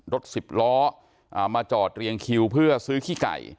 รถสิบล้อมาจอดเรียงคิวเพื่อซื้อขี้ไก่